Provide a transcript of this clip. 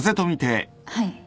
はい。